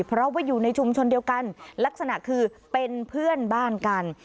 เพราะว่าอยู่ในชุมชนเดียวกันลักษณะคือเป็นเพื่อนบ้านกัน